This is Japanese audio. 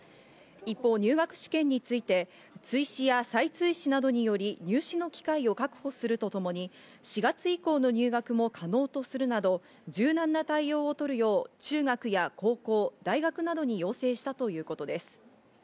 一方、入学試験について追試や再追試などにより入試の機会を確保するとともに４月以降の入学も可能とするなど柔軟な対応をとるよう、中学や高校、大学などに要請したということです。